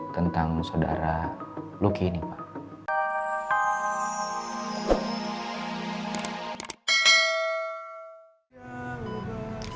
tentang saudara luki ini pak